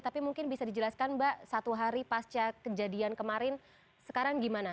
tapi mungkin bisa dijelaskan mbak satu hari pasca kejadian kemarin sekarang gimana